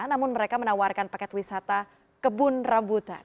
namun mereka menawarkan paket wisata kebun rambutan